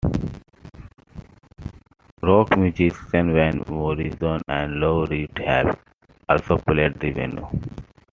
Rock musicians Van Morrison and Lou Reed have also played the venue.